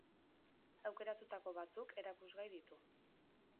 Aukeratutako batzuk erakusgai ditu.